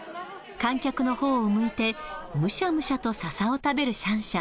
観客のほうを向いて、むしゃむしゃとササを食べるシャンシャン。